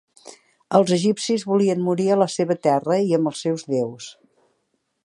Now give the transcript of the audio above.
Els egipcis volien morir a la seva terra i amb els seus deus.